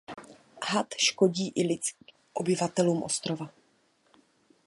Had škodí i lidským obyvatelům ostrova.